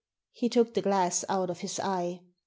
He took the glass out of his eye.